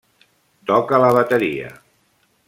Toca la bateria.